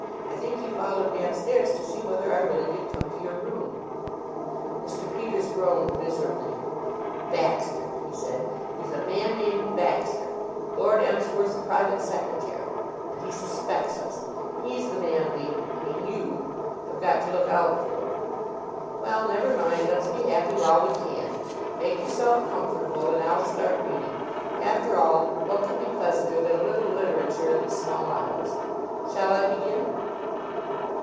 I think he followed me upstairs to see whether I really did come to your room." Mr. Peters groaned miserably. "Baxter," he said; "He's a man named Baxter Lord Emsworth's private secretary; and he suspects us. He's the man we I mean you have got to look out for." "Well, never mind. Let's be happy while we can. Make yourself comfortable and I'll start reading. After all, what could be pleasanter than a little literature in the small hours? Shall I begin?"